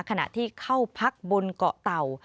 ขณะที่เข้าพักบนเกาะเต่า